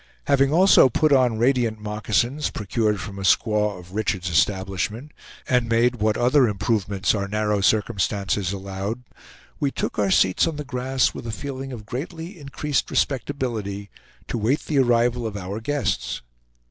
Having also put on radiant moccasins, procured from a squaw of Richard's establishment, and made what other improvements our narrow circumstances allowed, we took our seats on the grass with a feeling of greatly increased respectability, to wait the arrival of our guests.